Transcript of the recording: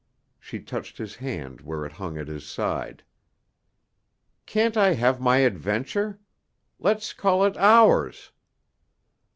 She touched his hand where it hung at his side. "Can't I have my adventure? Let's call it ours."